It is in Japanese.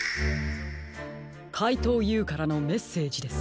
かいとうＵからのメッセージです。